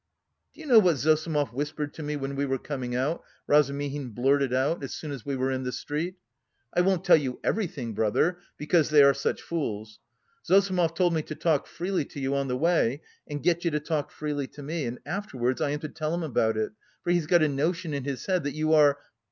"Do you know what Zossimov whispered to me when we were coming out?" Razumihin blurted out, as soon as they were in the street. "I won't tell you everything, brother, because they are such fools. Zossimov told me to talk freely to you on the way and get you to talk freely to me, and afterwards I am to tell him about it, for he's got a notion in his head that you are...